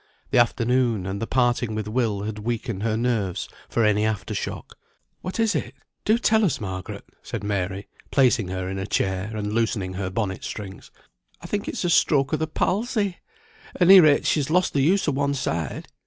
The afternoon, and the parting with Will, had weakened her nerves for any after shock. "What is it? Do tell us, Margaret!" said Mary, placing her in a chair, and loosening her bonnet strings. "I think it's a stroke o' the palsy. Any rate she has lost the use of one side."